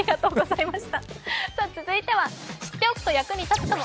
続いては知っておくと役に立つかも。